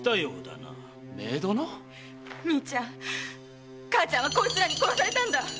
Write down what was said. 兄ちゃん母ちゃんはこいつらに殺されたんだ！